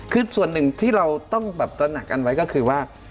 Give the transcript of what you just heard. คือส่วนหนึ่งที่เราต้องแบบตระหนักกันไว้ก็คือว่า